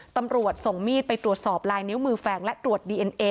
ตำรวจส่งมีดไปตรวจสอบลายนิ้วมือแฝงและตรวจดีเอ็นเอ